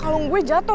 masuk kuliah dulu